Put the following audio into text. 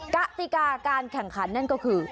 กติกาการแข่งขันนั่นก็คือ